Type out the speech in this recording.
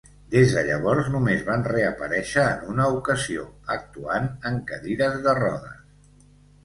Des de llavors, només van reaparèixer en una ocasió, actuant en cadires de rodes.